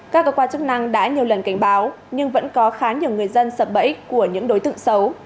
các cơ quan chức năng đã nhiều lần cảnh báo nhưng vẫn có khá nhiều người dân sập bẫy của những đối tượng xấu